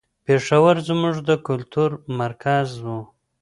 پېښور زموږ د کلتور مرکز و.